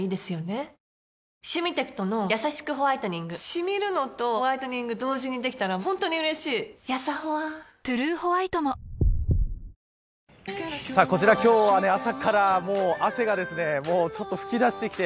シミるのとホワイトニング同時にできたら本当に嬉しいやさホワ「トゥルーホワイト」もこちら今日は朝から汗が噴き出してきて